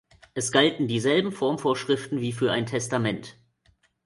Es galten dieselben Formvorschriften wie für ein Testament.